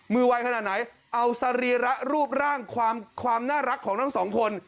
วัยขนาดไหนเอาสรีระรูปร่างความน่ารักของทั้งสองคน